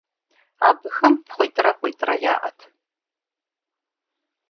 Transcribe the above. Абыхэм пхъуитӏрэ къуитӏрэ яӏэт.